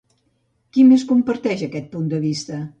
Qui més comparteix aquest punt de vista?